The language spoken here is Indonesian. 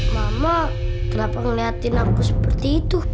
mama kenapa ngeliatin aku seperti itu